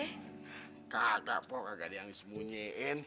enggak ada apa apa kayak ada yang disembunyiin